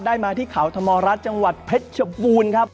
ได้มาที่เขาธมรสจังหวัดเพชรฟูนครับ